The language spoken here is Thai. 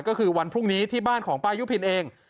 ก็คือวันพรุ่งนี้ที่บ้านของป้ายุพินเอง